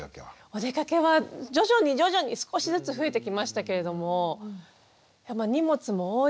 おでかけは徐々に徐々に少しずつ増えてきましたけれども荷物も多いですし